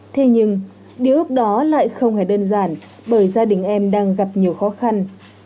thế nhưng điều ước đó lại không hề đơn giản bởi gia đình em đang gặp nhiều khó khăn